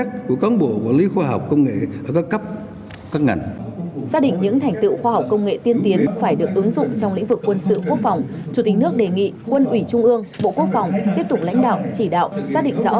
trong sự nghiệp phát triển khoa học công nghệ có vai trò đặc biệt quan trọng